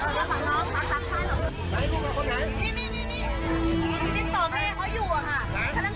กระบะตากห้องหลังช้าง